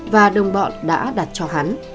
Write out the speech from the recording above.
và đồng bọn đã đặt cho hắn